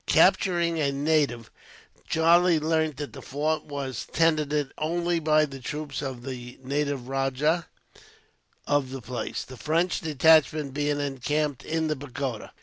Capturing a native, Charlie learnt that the fort was tenanted only by the troops of the native rajah of the place, the French detachment being encamped in the pagoda.